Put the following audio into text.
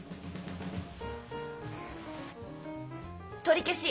取り消し。